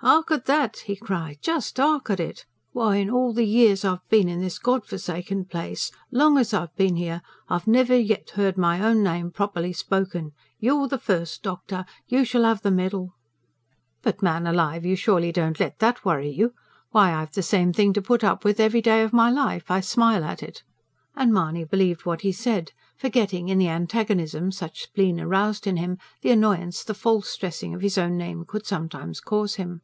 "Hark at that!" he cried. "Just hark at it! Why, in all the years I've been in this God forsaken place long as I've been here I've never yet heard my own name properly spoken. You're the first, doctor. You shall have the medal." "But, man alive, you surely don't let that worry you? Why, I've the same thing to put up with every day of my life. I smile at it." And Mahony believed what he said, forgetting, in the antagonism such spleen roused in him, the annoyance the false stressing of his own name could sometimes cause him.